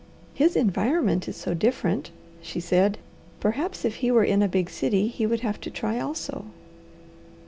"His environment is so different," she said. "Perhaps if he were in a big city, he would have to try also."